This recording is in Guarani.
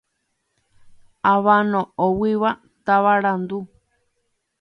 Avano'õguigua tavarandu.